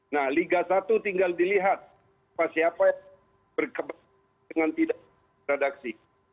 nah liga satu tinggal dilihat siapa siapa yang berkepentingan dengan tidak redaksi